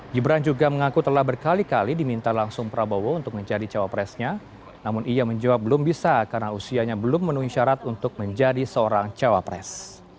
gibran juga mengaku telah berkali kali diminta langsung prabowo untuk menjadi cawapresnya namun ia menjawab belum bisa karena usianya belum menuhi syarat untuk menjadi seorang cawapres